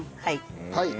はい。